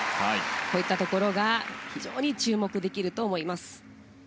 こういったところが非常に注目できると思います。